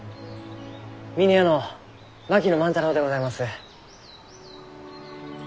峰屋の槙野万太郎でございます。